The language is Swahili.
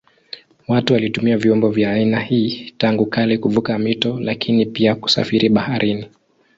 Watu walitumia vyombo vya aina hii tangu kale kuvuka mito lakini pia kusafiri baharini.